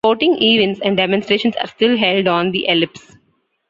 Sporting events and demonstrations are still held on the Ellipse.